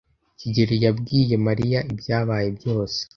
kigeli yabwiye Mariya ibyabaye byose.